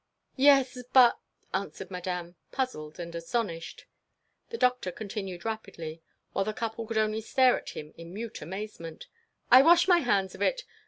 "Yes—but—" answered Madame, puzzled and astonished. The Doctor continued rapidly, while the couple could only stare at him in mute amazement. "I wash my hands of it!